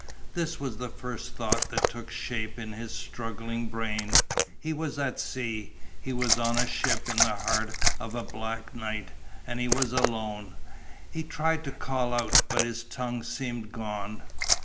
This was the first thought that took shape in his struggling brain he was at sea; he was on a ship in the heart of a black night, and he was alone. He tried to call out, but his tongue seemed gone.